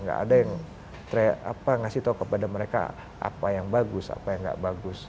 nggak ada yang ngasih tahu kepada mereka apa yang bagus apa yang gak bagus